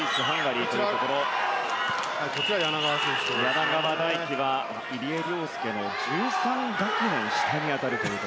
柳川大樹は入江陵介の１３学年下に当たります。